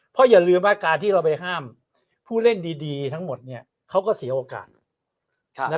เพราะอย่าลืมว่าการที่เราไปห้ามผู้เล่นดีทั้งหมดเขาก็เสียโอกาส